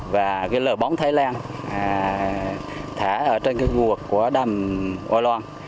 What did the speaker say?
và lợi bóng thái lan thả trên nguồn của đầm o loan